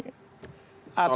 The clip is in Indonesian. soalnya dianggap tidak berarti